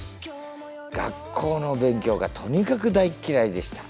学校の勉強がとにかく大っ嫌いでした。